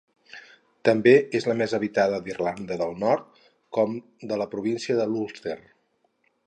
També és la més habitada d'Irlanda del Nord, com de la província de l'Ulster.